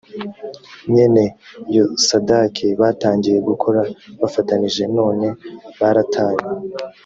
mwene yosadaki batangiye gukora bafatanije none baratanye